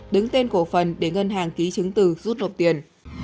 đứng tên cổ phần để ngân hàng ký chứng từ rút nộp tiền